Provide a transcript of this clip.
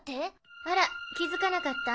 あら気づかなかった？